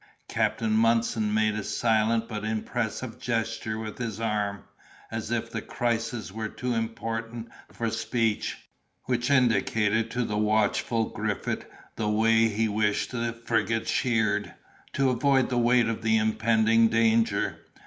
Captain Munson made a silent but impressive gesture with his arm, as if the crisis were too important for speech, which indicated to the watchful Griffith the way he wished the frigate sheered, to avoid the weight of the impending danger.